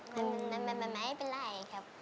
ไม่เป็นไร